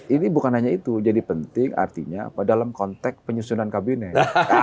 ini bukan hanya itu jadi penting artinya apa dalam konteks penyusunan kabinet